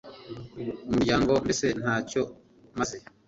Umuryango mbese ntacyo maze